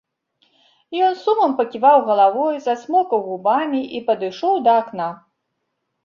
Ён з сумам паківаў галавой, зацмокаў губамі і падышоў да акна.